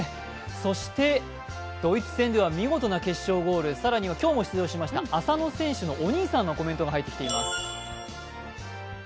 そして、ドイツ戦では見事な決勝ゴール、更には今日も出場しました浅野選手のお兄さんのコメントが入ってきています。